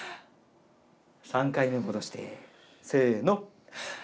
３回目戻して、せーの！